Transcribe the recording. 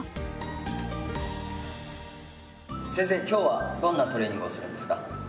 今日はどんなトレーニングをするんですか？